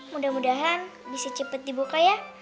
mudah mudahan bisa cepat dibuka ya